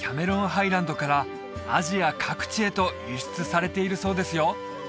ハイランドからアジア各地へと輸出されているそうですよ